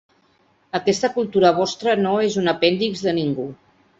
Aquesta cultura vostra no és un apèndix de ningú.